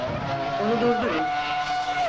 Onu durdurun!